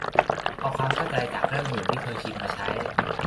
เอาความเข้าใจจากเรื่องอื่นที่เคยชินมาใช้